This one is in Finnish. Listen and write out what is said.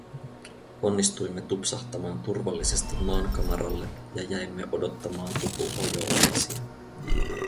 Onnistuimme tupsahtamaan turvallisesti maankamaralle ja jäimme odottamaan tupuhojolaisia.